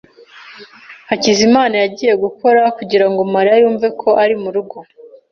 Hakizimana yagiye gukora kugirango Mariya yumve ko ari murugo.